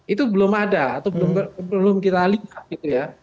itu belum ada atau belum kita lihat gitu ya